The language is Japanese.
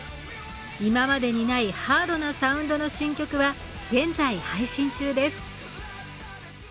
今までにないハードなサウンドの新曲は現在配信中です。